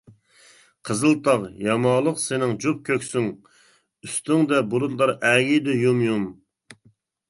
قىزىلتاغ، يامالىق سېنىڭ جۈپ كۆكسۈڭ، ئۈستۈڭدە بۇلۇتلار ئەگىيدۇ يۇم-يۇم.